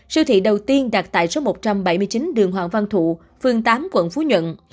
siêu thị đầu tiên đặt tại số một trăm bảy mươi chín đường hoàng văn thụ phường tám quận phú nhuận